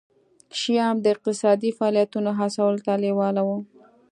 شیام د اقتصادي فعالیتونو هڅولو ته لېواله وو.